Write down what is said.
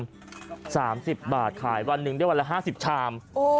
เหมือนผู้ชม๓๐บาทขายวันหนึ่งได้วันละ๕๐ชาม